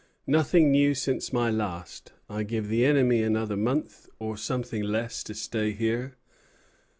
Nothing new since my last. I give the enemy another month, or something less, to stay here."